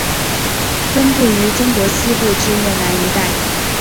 分布于中国西部至越南一带。